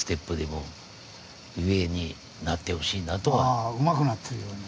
ああうまくなってるように。